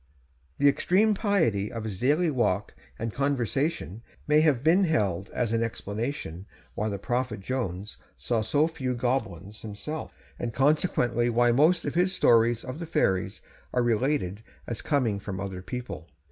The extreme piety of his daily walk and conversation may have been held as an explanation why the Prophet Jones saw so few goblins himself, and consequently why most of his stories of the fairies are related as coming from other people.